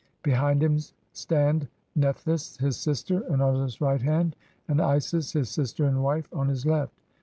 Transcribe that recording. Behind him stand Nephthvs, his sister, on his right hand and Isis, his sister and wife, on his left.